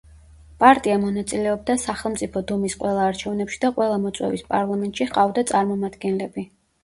პარტია მონაწილეობდა სახელმწიფო დუმის ყველა არჩევნებში და ყველა მოწვევის პარლამენტში ჰყავდა წარმომადგენლები.